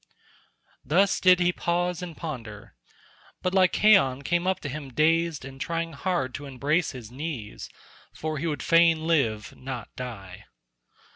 Thus did he pause and ponder. But Lycaon came up to him dazed and trying hard to embrace his knees, for he would fain live, not die.